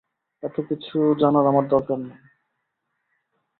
এত কিছু জানার আমার দরকার নেই।